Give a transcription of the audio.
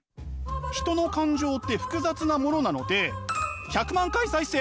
人の感情って複雑なものなので１００万回再生